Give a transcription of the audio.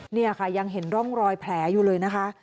นี่ค่ะยังเห็นร่องรอยแผลอยู่เลยนะคะ